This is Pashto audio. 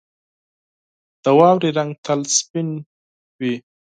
• د واورې رنګ تل سپین وي.